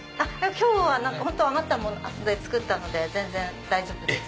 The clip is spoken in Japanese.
今日は余ったもので作ったので全然大丈夫です。